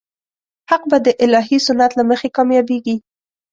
حق به د الهي سنت له مخې کامیابېږي.